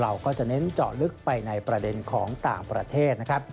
เราก็จะเน้นเจาะลึกไปในประเด็นของต่างประเทศนะครับ